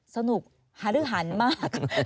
สนุกหารึหันมาก